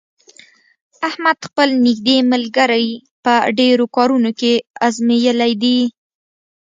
احمد خپل نېږدې ملګري په ډېرو کارونو کې ازمېیلي دي.